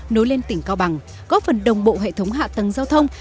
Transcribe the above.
nối lên tỉnh cao bằng góp phần đồng bộ hệ thống hạ tầng giao thông